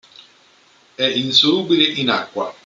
È insolubile in acqua.